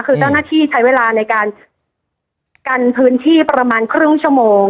คือเจ้าหน้าที่ใช้เวลาในการกันพื้นที่ประมาณครึ่งชั่วโมง